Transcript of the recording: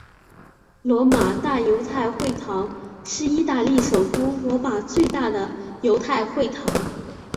罗马大犹太会堂是意大利首都罗马最大的犹太会堂。